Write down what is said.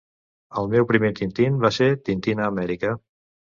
El meu primer Tintín va ser Tintín a Amèrica